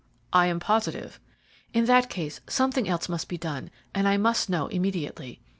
"I am positive." "In that case something else must be done, and I must know immediately.